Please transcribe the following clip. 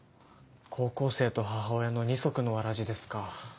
高校生と母親の二足のわらじですか。